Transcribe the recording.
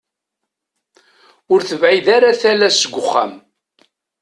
Ur tebɛid ara tala seg uxxam.